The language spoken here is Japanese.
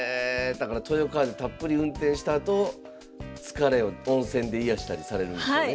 だからトヨカーでたっぷり運転したあと疲れを温泉で癒やしたりされるんでしょうね。